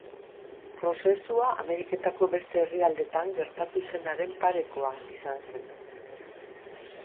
Prozesua Ameriketako beste herrialdetan gertatu zenaren parekoa izan zen.